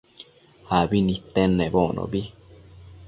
abi nidtenedbocnobi